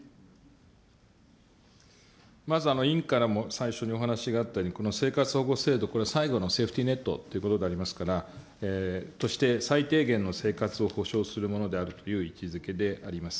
まず委員からも最初にお話があったように、この生活保護制度、これは最後のセーフティーネットということでありますから、そして、最低限の生活を保障するものであるという位置づけであります。